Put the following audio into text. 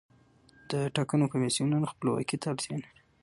د ټاکنو کمیسیون خپلواکۍ ته اړتیا لري